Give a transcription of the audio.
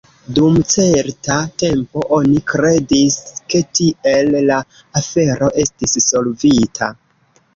Dum certa tempo oni kredis, ke tiel la afero estis solvita.